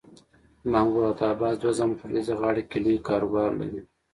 د محمود عباس دوه زامن په لویدیځه غاړه کې لوی کاروبار لري.